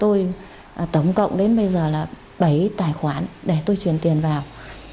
tôi tổng cộng đến bây giờ là bảy tài khoản để tôi chuyển tiền vào